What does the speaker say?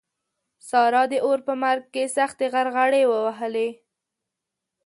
سارا د اور په مرګ کې سختې غرغړې ووهلې.